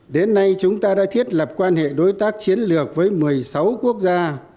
đến nay chúng ta đã thiết lập quan hệ đối tác chiến lược với một mươi sáu quốc gia